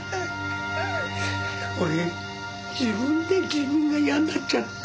俺自分で自分が嫌になっちゃった。